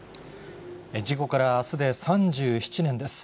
事故からあすで３７年です。